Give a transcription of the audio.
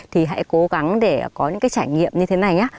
thì hãy cố gắng để có những cái trải nghiệm như thế này nhé